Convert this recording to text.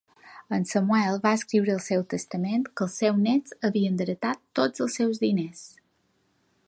En Samuel va escriure al seu testament que els seus nets havien d'heretar tots els seus diners.